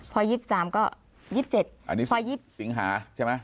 พอ๒๓ก็๒๗อันนี้พอ๒สิงหาใช่ไหม